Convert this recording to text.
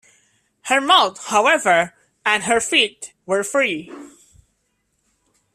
Her mouth, however, and her feet were free.